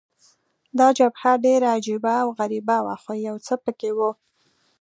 دا جبهه ډېره عجبه او غریبه وه، خو یو څه په کې وو.